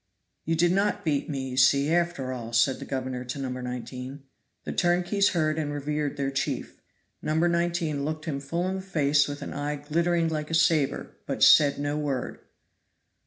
"You did not beat me, you see, after all," said the governor to No. 19. The turnkeys heard and revered their chief. No. 19 looked him full in the face with an eye glittering like a saber, but said no word.